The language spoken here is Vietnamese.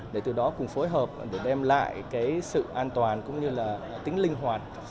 để từ đó cùng phối hợp để đem lại cái sự an toàn cũng như là tính linh hoạt